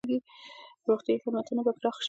روغتیايي خدمتونه به پراخ شي.